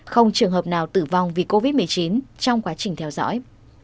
không trường hợp nào tử vong vì covid một mươi chín trong quá trình theo dõi